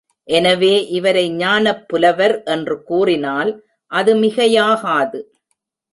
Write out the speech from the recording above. எனவே இவரை ஞானப் புலவர் என்று கூறினால், அது மிகையாகாது.